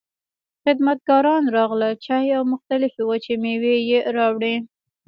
خدمتګاران راغلل، چای او مختلفې وچې مېوې يې راوړې.